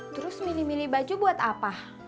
terus milih milih baju buat apa